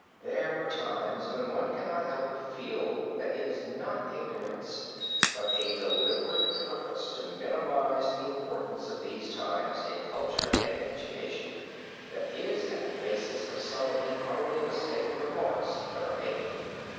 There are times when one cannot help but feel that it is not ignorance, but a deliberate purpose to minimize the importance of these times in culture and education, that is at the basis of some of the utterly mistaken remarks that are made.